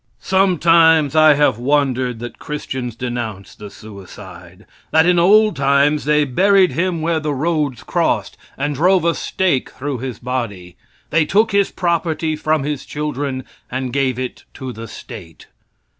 Sometimes I have wondered that Christians denounce the suicide; that in old times they buried him where the roads crossed, and drove a stake through his body. They took his property from his children and gave it to the State.